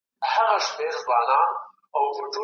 پرېږده چي موږ په دې تیارو کي رڼا ولټوو